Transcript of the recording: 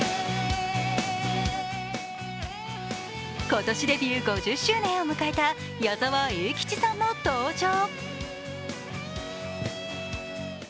今年デビュー５０周年を迎えた矢沢永吉さんも登場。